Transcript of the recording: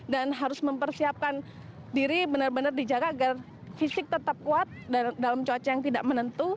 dan harus mempersiapkan diri benar benar dijaga agar fisik tetap kuat dalam cuaca yang tidak menentu